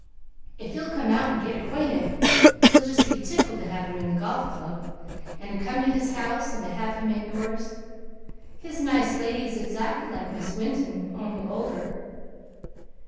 If you'll come out and get acquainted, you'll just be tickled to have him in the Golf Club, and to come to his house, and to have him at yours. His nice lady is exactly like Miss Winton, only older.